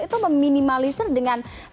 itu meminimalisir dengan apa